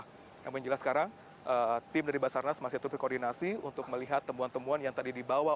namun yang jelas sekarang tim dari basarnas masih terus berkoordinasi untuk melihat temuan temuan yang tadi dibawa